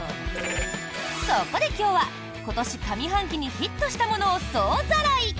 そこで今日は今年上半期にヒットしたものを総ざらい！